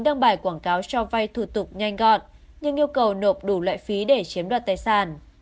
đăng bài quảng cáo cho vay thủ tục nhanh gọn nhưng yêu cầu nộp đủ loại phí để chiếm đoạt tài sản